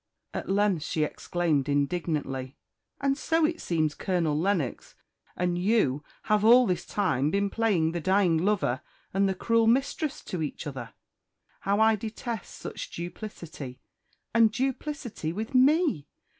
At length she exclaimed indignantly "And so it seems Colonel Lennox and you have all this time been playing the dying lover and the cruel mistress to each other? How I detest such duplicity! and duplicity with me!